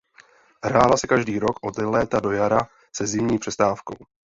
Hrála se každý rok od léta do jara se zimní přestávkou.